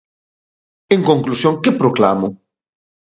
En conclusión, que proclamo?